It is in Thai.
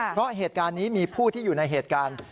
เพราะเหตุการณ์นี้มีผู้ที่อยู่ในเหตุการณ์